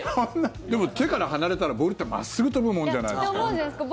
でも、手から離れたらボールって真っすぐ飛ぶもんじゃないですか。と思うじゃないですか。